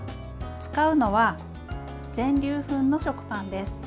使うのは全粒粉の食パンです。